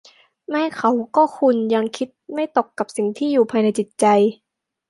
ไม่เขาก็คุณยังคิดไม่ตกกับสิ่งที่อยู่ภายในจิตใจ